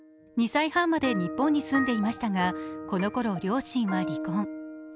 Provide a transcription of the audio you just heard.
２歳半まで日本に住んでいましたがこのころ、両親は離婚。